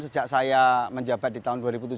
sejak saya menjabat di tahun dua ribu tujuh belas